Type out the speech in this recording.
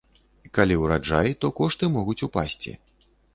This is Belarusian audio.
Калі ураджай, то кошты могуць упасці.